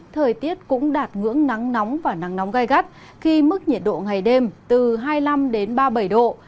thời tiết cũng đạt ngưỡng nắng nóng và nắng nóng gai gắt khi mức nhiệt độ ngày đêm từ hai mươi năm đến ba mươi bảy độ